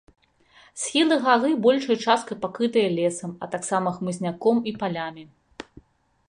Схілы гары большай часткай пакрытыя лесам, а таксама хмызняком і палямі.